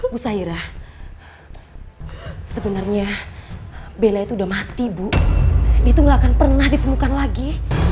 bu sairah sebenarnya bella itu udah mati bu dia tuh gak akan pernah ditemukan lagi